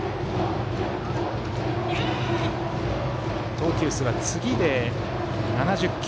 投球数は７０球。